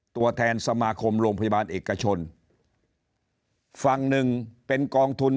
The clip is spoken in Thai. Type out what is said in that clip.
ตัวแทนสมาคมโรงพยาบาลเอกชนฝั่งหนึ่งเป็นกองทุน